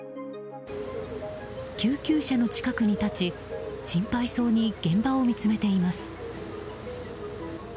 救急車の近くに立ち心配そうに現場を見つめています。